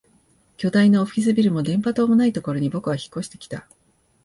巨大なオフィスビルも電波塔もないところに僕は引っ越してきた